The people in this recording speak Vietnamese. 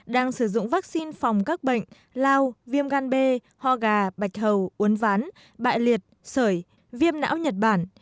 đang sử dụng vaccine phòng các bệnh lao viêm gan b ho gà bạch hầu uốn ván bại liệt sởi viêm não nhật bản